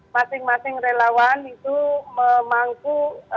masing masing relawan itu memangku